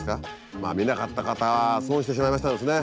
まあ見なかった方は損してしまいましたですね。